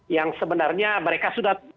yang sebenarnya mereka sudah